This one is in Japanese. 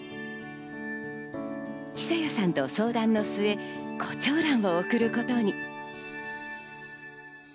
久弥さんと相談の末、胡蝶蘭を贈ることに。